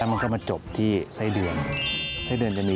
แล้วก็มาจบที่